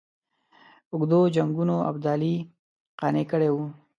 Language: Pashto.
اوږدو جنګونو ابدالي قانع کړی وي.